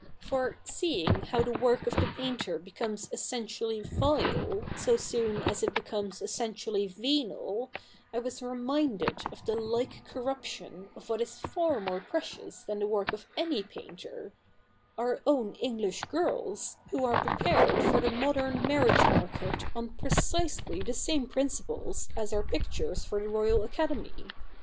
For, seeing how the work of the painter becomes essentially vile so soon as it becomes essentially venal, I was reminded of the like corruption of what is far more precious than the work of any painter — our own English girls, who are prepared for the modern marriage market on precisely the same principles as our pictures for the Royal Academy.